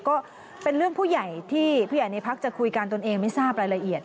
ก็เป็นเรื่องผู้ใหญ่ที่ผู้ใหญ่ในพักจะคุยกันตนเองไม่ทราบรายละเอียด